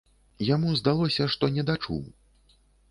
Яму здалося, што недачуў.